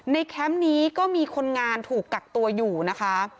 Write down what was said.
แคมป์นี้ก็มีคนงานถูกกักตัวอยู่นะคะ